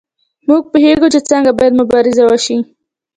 موږ پوهیږو چې څنګه باید مبارزه وشي.